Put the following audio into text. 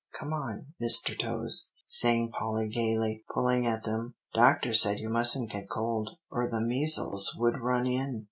Come on, Mister Toes," sang Polly gayly, pulling at them. "Doctor said you mustn't get cold, or the measles would run in.